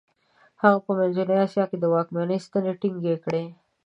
هغه په منځنۍ اسیا کې د واکمنۍ ستنې ټینګې کړې.